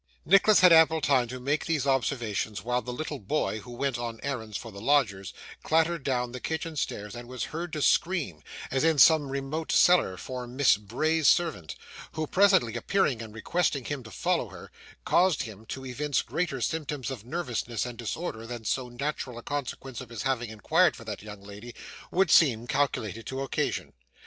Nicholas had ample time to make these observations while the little boy, who went on errands for the lodgers, clattered down the kitchen stairs and was heard to scream, as in some remote cellar, for Miss Bray's servant, who, presently appearing and requesting him to follow her, caused him to evince greater symptoms of nervousness and disorder than so natural a consequence of his having inquired for that young lady would seem calculated to occasion.